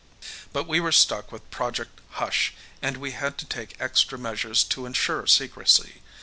But we were stuck with Project Hush and we had to take extra measures to ensure secrecy.